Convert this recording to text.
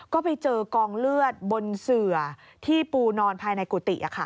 ก็ไปเจอกองเลือดบนเสือที่ปูนอนภายในกุฏิ